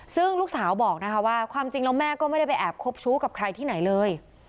ซึ่งลูกสาวบอกนะคะว่าความจริงแล้วแม่ก็ไม่ได้ไปแอบคบชู้กับใครที่ไหนเลย